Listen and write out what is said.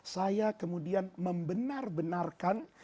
saya kemudian membenar benarkan